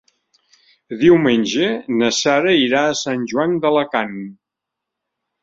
Diumenge na Sara irà a Sant Joan d'Alacant.